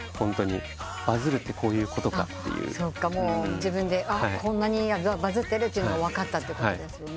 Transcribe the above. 自分でこんなにバズってるって分かったってことですよね。